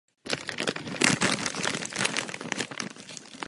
Je princeznou se Solárie a její rodiče jsou Luna a Rádius.